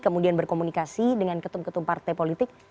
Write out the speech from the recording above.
kemudian berkomunikasi dengan ketum ketum partai politik